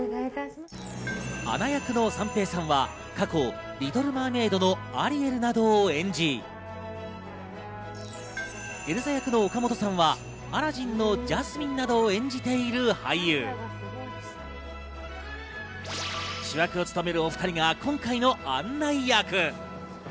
アナ役の三平さんは過去『リトルマーメイド』のアリエルなどを演じ、エルサ役の岡本さんは、『アラジン』のジャスミンなどを演じている俳優。主役を務めるお２人が今回の案内役。